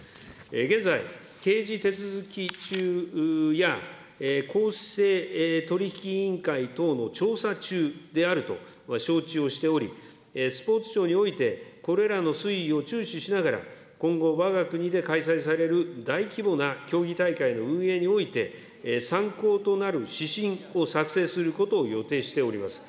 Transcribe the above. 現在、刑事手続き中や、公正取引委員会等の調査中であると承知をしており、スポーツ庁において、これらの推移を注視しながら、今後、わが国で開催される大規模な競技大会の運営において、参考となる指針を作成することを予定しております。